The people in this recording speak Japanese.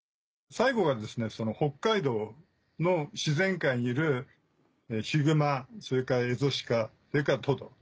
最後がですね北海道の自然界にいるヒグマそれからエゾシカそれからトド。